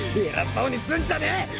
偉そうにすんじゃねえ！